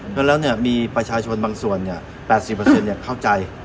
แล้วแล้วเนี้ยมีประชาชนบางส่วนเนี้ยแปดสิบเปอร์เซ็นต์เนี้ยเข้าใจ